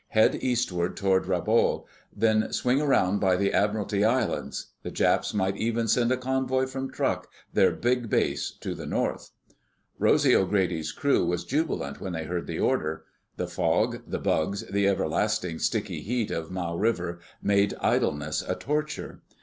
Head eastward toward Rabaul, then swing around by the Admiralty Islands. The Japs might even send a convoy from Truk, their big base to the north." Rosy O'Grady's crew was jubilant when they heard the order. The fog, the bugs, the everlasting sticky heat of Mau River made idleness a torture.